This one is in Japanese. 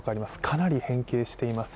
かなり変形しています。